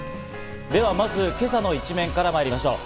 では、まず今朝の一面からまいりましょう。